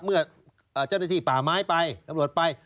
เมื่อเจ้าหน้าที่ป่าไม้ไป